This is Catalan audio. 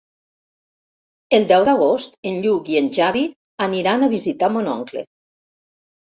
El deu d'agost en Lluc i en Xavi aniran a visitar mon oncle.